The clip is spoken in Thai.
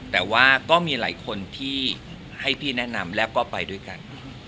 แต่ว่าก็มีหลายคนที่ให้พี่แนะนำแล้วก็ไปด้วยกัน